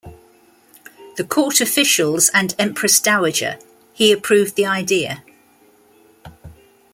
The court officials and Empress Dowager He approved the idea.